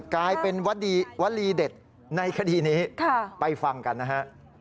กลายเป็นวลีเด็ดในคดีนี้ไปฟังกันนะฮะ